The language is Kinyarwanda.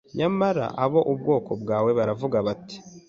Nyamara ab ubwoko bwawe baravuga bati